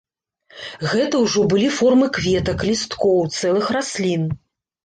Гэта ўжо былі формы кветак, лісткоў, цэлых раслін.